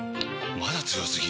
まだ強すぎ？！